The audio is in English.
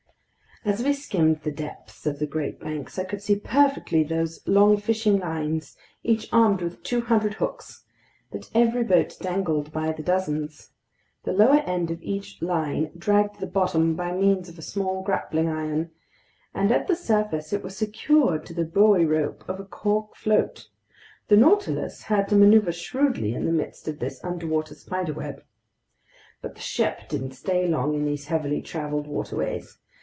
As we skimmed the depths of the Grand Banks, I could see perfectly those long fishing lines, each armed with 200 hooks, that every boat dangled by the dozens. The lower end of each line dragged the bottom by means of a small grappling iron, and at the surface it was secured to the buoy rope of a cork float. The Nautilus had to maneuver shrewdly in the midst of this underwater spiderweb. But the ship didn't stay long in these heavily traveled waterways.